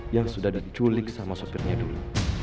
yang sudah diculik sama supirnya dulu